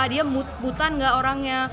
dia mood an enggak orangnya